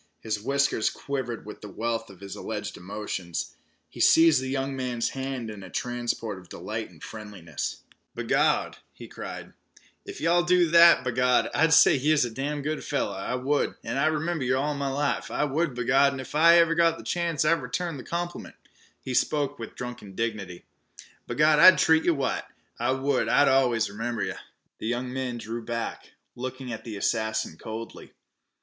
His whiskers quivered with the wealth of his alleged emotions. He seized the young man's hand in a transport of delight and friendliness. "B' Gawd," he cried, "if ye'll do that, b' Gawd, I'd say yeh was a damned good fellow, I would, an' I'd remember yeh all m' life, I would, b' Gawd, an' if I ever got a chance I'd return the compliment" he spoke with drunken dignity "b' Gawd, I'd treat yeh white, I would, an' I'd allus remember yeh." The young man drew back, looking at the assassin coldly.